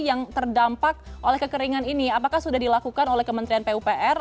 yang terdampak oleh kekeringan ini apakah sudah dilakukan oleh kementerian pupr